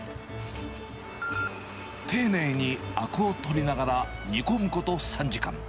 丁寧にあくを取りながら、煮込むこと３時間。